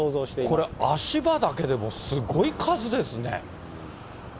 しかしこれ、足場だけでもすごい数ですね。